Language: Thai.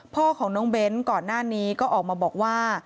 พ่อของน้องเบ้นก่อนหน้านี้ก็ออกมาบอกว่า